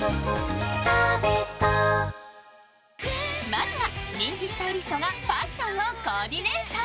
まずは人気スタイリストがファッションをコーディネート。